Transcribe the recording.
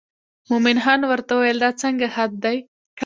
مومن خان ورته وویل دا څنګه خط دی.